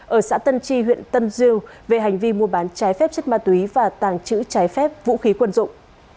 ở xã tân tri huyện tân dưu về hành vi mua bán trái phép chất ma túy và tàng trữ trái phép vũ khí quân dụng